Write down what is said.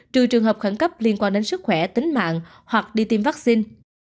trừ trường hợp khẳng cấp liên quan đến sức khỏe tính mạng hoặc đi tiêm vaccine